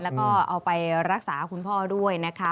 แล้วก็เอาไปรักษาคุณพ่อด้วยนะคะ